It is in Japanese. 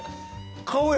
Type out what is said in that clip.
顔や！